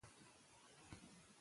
که موسیقي وي نو روح نه مري.